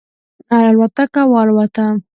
الوتکه والوته.